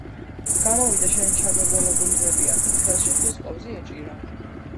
გამოვიდა შენი ჩაგორგოლებული ბებია, ხელში ხის დიდი კოვზი ეჭირა...